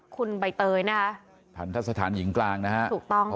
คุณใบเตยนะคะทันทะสถานหญิงกลางนะฮะถูกต้อง